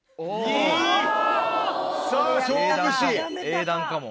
英断かも。